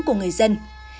của người dân